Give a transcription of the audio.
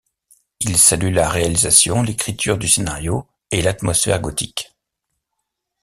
Ils saluent la réalisation, l'écriture du scénario et l'atmosphère gothique.